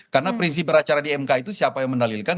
karena prinsip beracara di mk itu siapa yang menalilkan